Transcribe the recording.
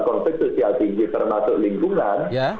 konflik sosial tinggi termasuk lingkungan